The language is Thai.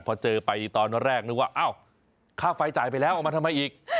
พอเจอไปตอนแรกนึกว่าอ้าวค่าไฟจ่ายไปแล้วเอามาทำไมอีก